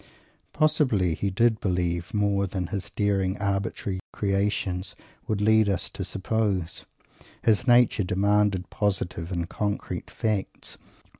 Probably he did "believe" more than his daring, arbitrary "creations" would lead us to suppose. His nature demanded positive and concrete facts.